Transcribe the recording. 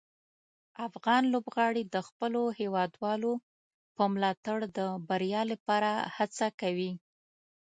افغان لوبغاړي د خپلو هیوادوالو په ملاتړ د بریا لپاره هڅه کوي.